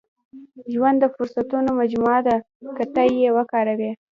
• ژوند د فرصتونو مجموعه ده، که ته یې وکاروې.